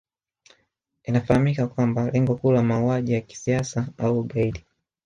Inafahamika kwamba lengo kuu la mauaji ya kisiasa au ugaidi